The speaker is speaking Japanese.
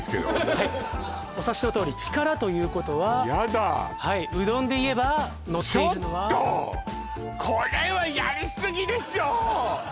はいお察しのとおり「力」ということはやだはいうどんでいえばのっているのはちょっと！